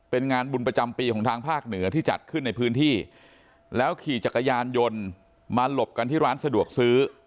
เป็นงานบุญประจำปีของทางภาคเหนือที่จัดขึ้นในพื้นที่แล้วขี่จักรยานยนต์มาหลบกันที่ร้านสะดวกซื้อ